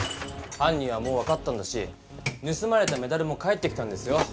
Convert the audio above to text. はん人はもう分かったんだしぬすまれたメダルも返ってきたんですよ。